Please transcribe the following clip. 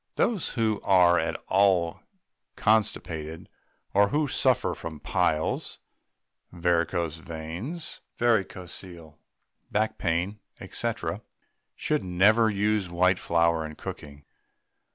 Those who are at all constipated, or who suffer from piles, varicose veins, varicocele, back pain, &c., should never use white flour in cooking.